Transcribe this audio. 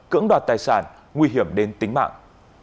cưỡng đoạt tài sản nguy hiểm đến tính mạng